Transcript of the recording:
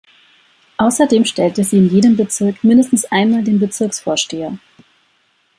Außerdem stellte sie in jedem Bezirk mindestens einmal den Bezirksvorsteher.